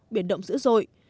biển động dữ dội